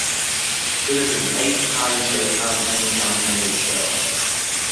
It is an eight-time Daytime Emmy nominated show.